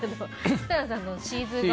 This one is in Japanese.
設楽さんのシーズー顔。